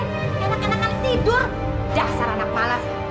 enak enakan tidur dasar anak malas